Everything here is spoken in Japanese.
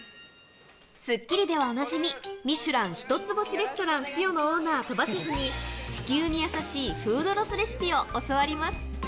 スッキリではおなじみ、ミシュラン１つ星レストランシオの鳥羽周作フェフが、地球に優しいフードロスレシピを教わります。